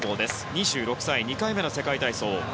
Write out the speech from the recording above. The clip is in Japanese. ２６歳、２回目の世界体操。